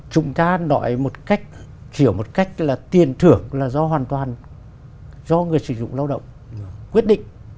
chúng ta nói một cách hiểu một cách là tiền thưởng là do hoàn toàn do người sử dụng lao động quyết định